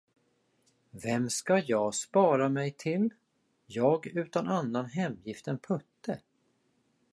Vem skall jag spara mig till, jag utan annan hemgift än Putte?